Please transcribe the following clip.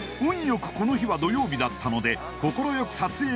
良くこの日は土曜日だったので快く撮影